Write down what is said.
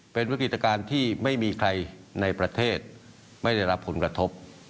เป็นวิกฤตการณ์ที่ไม่มีใครในประเทศไม่ได้รับผลกระทบ